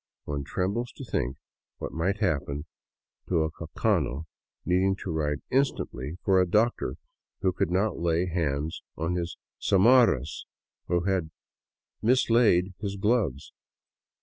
One trembles to think what might happen to a caucano, needing to ride instantly for the doctor, who could not lay hands on his samarras, or who had mislaid his gloves.